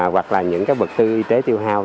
hoặc là những cái vật tư y tế tiêu hao